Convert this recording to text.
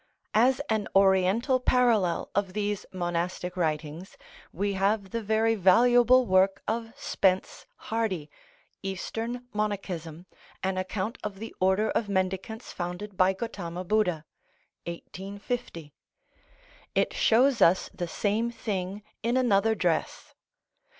As an Oriental parallel of these monastic writings we have the very valuable work of Spence Hardy, "Eastern Monachism; an Account of the Order of Mendicants founded by Gotama Budha" (1850). It shows us the same thing in another dress.